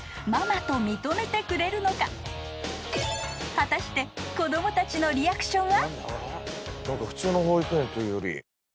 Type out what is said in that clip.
［果たして子供たちのリアクションは］